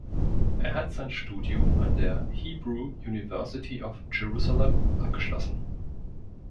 Er hat sein Studium an der Hebrew University of Jerusalem abgeschlossen.